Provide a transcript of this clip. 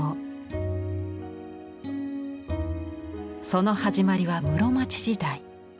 その始まりは室町時代。